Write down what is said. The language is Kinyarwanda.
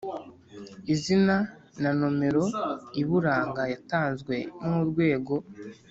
izina na nomero iburanga yatanzwe n’ urwego